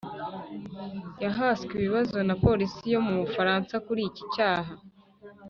yahaswe ibibazo na polisi yo mu bufaransa kuri iki cyaha